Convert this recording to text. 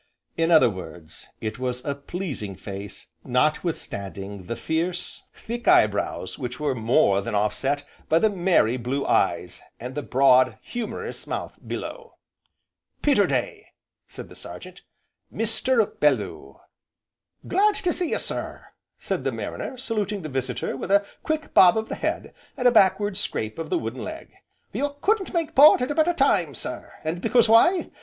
In other words, it was a pleasing face notwithstanding the fierce, thick eye brows which were more than offset by the merry blue eyes, and the broad, humourous mouth below. "Peterday," said the Sergeant, "Mr. Bel lew!" "Glad to see you sir," said the mariner, saluting the visitor with a quick bob of the head, and a backward scrape of the wooden leg. "You couldn't make port at a better time, sir, and because why?